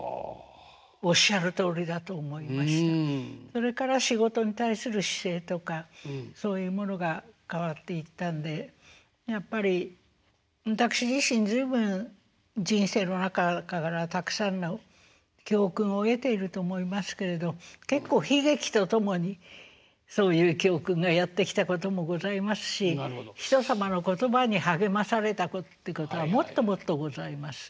それから仕事に対する姿勢とかそういうものが変わっていったんでやっぱり私自身随分人生の中からたくさんの教訓を得ていると思いますけれど結構悲劇と共にそういう教訓がやって来たこともございますし人様の言葉に励まされたことはもっともっとございます。